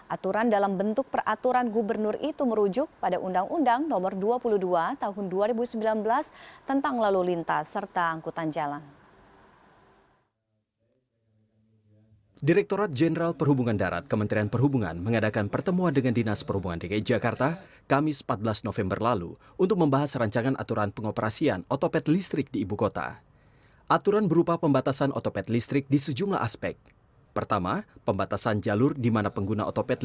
aturan dalam bentuk peraturan gubernur itu merujuk pada undang undang nomor dua puluh dua tahun dua ribu sembilan belas tentang lalu lintas serta angkutan jalan